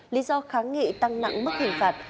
lý do kháng nghị tăng nặng mức hình phạt